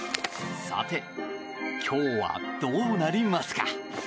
さて、今日はどうなりますか。